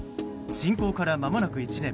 侵攻からまもなく１年。